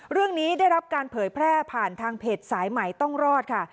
เรื่องนี้ได้รับการเผยแพร่ผ่านทางเพจสายใหม่ต้องรอดค่ะ